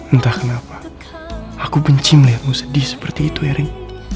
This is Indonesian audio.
entah kenapa aku benci melihatmu sedih seperti itu erin